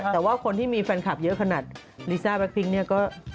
แต่ว่าคนที่มีแฟนคลับเยอะขนาดลิซ่าแล็คพิ้งเนี่ยก็